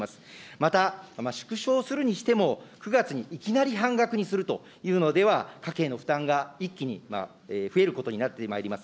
また、縮小するにしても、９月にいきなり半額にするというのでは、家計への負担が一気に増えることになってまいります。